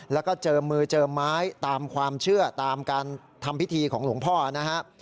แล้วก็เจอมือเจอไม้ตามความเชื่อตามการทำพิธีของหลวงพ่อนะครับ